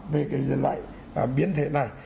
về cái loại biến thể này